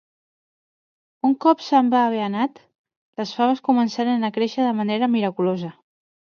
Un cop se'n va haver anat, les faves començaren a créixer de manera miraculosa.